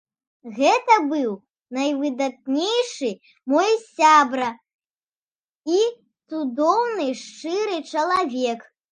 Гэта быў найвыдатнейшы мой сябра і цудоўны, шчыры чалавек.